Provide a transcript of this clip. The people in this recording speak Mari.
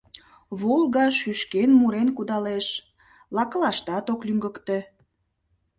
«Волга» шӱшкен-мурен кудалеш, лакылаштат ок лӱҥгыктӧ.